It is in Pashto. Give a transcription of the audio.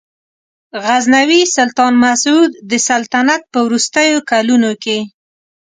غزنوي سلطان مسعود د سلطنت په وروستیو کلونو کې.